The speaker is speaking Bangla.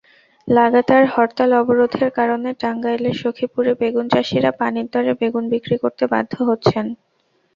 লাগাতার হরতাল-অবরোধের কারণে টাঙ্গাইলের সখীপুরে বেগুনচাষিরা পানির দরে বেগুন বিক্রি করতে বাধ্য হচ্ছেন।